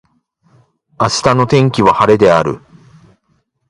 明日の天気は晴れである。